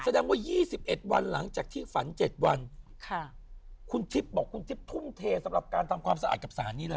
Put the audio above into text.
แสดงว่า๒๑วันหลังจากที่ฝัน๗วันค่ะคุณทิพย์บอกคุณทิพย์ทุ่มเทสำหรับการทำความสะอาดกับสารนี้เลย